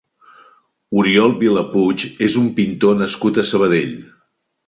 Oriol Vilapuig és un pintor nascut a Sabadell.